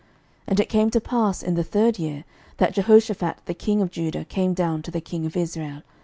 11:022:002 And it came to pass in the third year, that Jehoshaphat the king of Judah came down to the king of Israel.